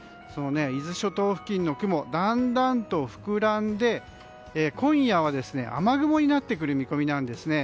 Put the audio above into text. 伊豆諸島付近の雲がだんだんと膨らんで今夜は雨雲になってくる見込みなんです。